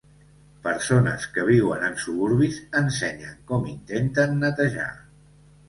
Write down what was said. Persones que viuen en suburbis ensenyen com intenten netejar.